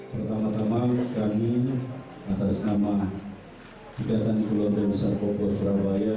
pertama tama kami atas nama ikatan keluarga besar bogor surabaya